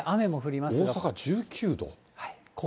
大阪１９度。